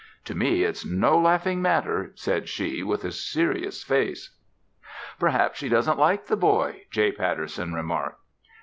"To me, it's no laughing matter," said she with a serious face. "Perhaps she doesn't like the boy," J. Patterson remarked. Mrs.